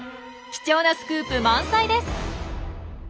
貴重なスクープ満載です。